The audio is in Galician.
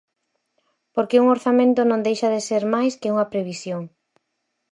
Porque un orzamento non deixa de ser máis que unha previsión.